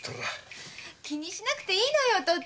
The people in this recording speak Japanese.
気にしなくていいのよ。